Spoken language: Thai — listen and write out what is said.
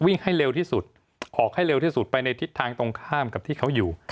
ให้เร็วที่สุดออกให้เร็วที่สุดไปในทิศทางตรงข้ามกับที่เขาอยู่